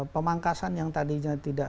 pemangkasan yang tadinya tidak